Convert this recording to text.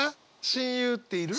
親友っている？